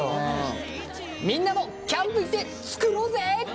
みんなもキャンプ行って作ろうぜ！